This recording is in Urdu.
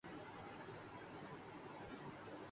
ماں بننے کے حوالے سے پریانکا چوپڑا نے خاموشی توڑ دی